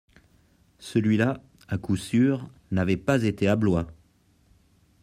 Celui-là, à coup sûr, n'avait pas été à Blois.